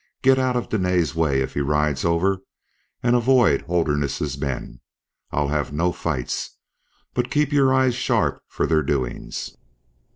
Get out of Dene's way if he rides over, and avoid Holderness's men. I'll have no fights. But keep your eyes sharp for their doings."